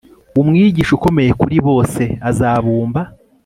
umwigisha ukomeye kuri bose! azabumba